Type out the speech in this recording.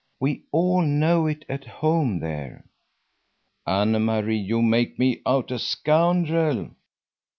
We all know it at home there." "Anne Marie, you make me out a scoundrel!"